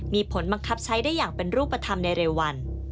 มีผลบังคับใช้ได้อย่างเป็นรูปธรรมในเร็ววัน